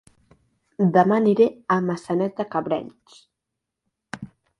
Dema aniré a Maçanet de Cabrenys